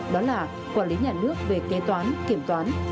đó là quản lý nhà nước về kế toán kiểm toán